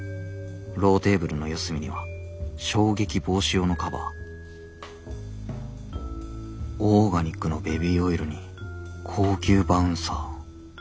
ローテーブルの四隅には衝撃防止用のカバーオーガニックのベビーオイルに高級バウンサー。